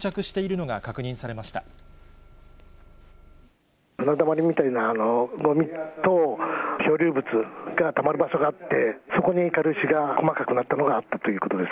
船だまりみたいなごみと、漂流物がたまる場所があって、そこに軽石が細かくなったのがあったということです。